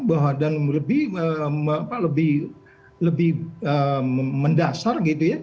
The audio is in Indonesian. bahwa dan lebih mendasar gitu ya